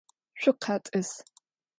Şükhet'ıs!